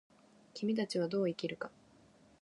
君たちはどう生きるか。